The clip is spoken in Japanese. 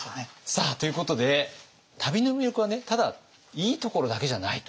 さあということで旅の魅力はねただいいところだけじゃないと。